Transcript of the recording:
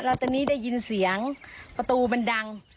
แล้วตอนนี้ได้ยินเสียงประตูมันดัง